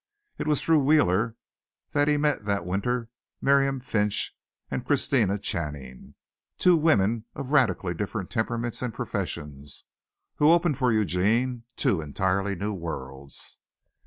It was through Wheeler that he met that winter Miriam Finch and Christina Channing, two women of radically different temperaments and professions, who opened for Eugene two entirely new worlds.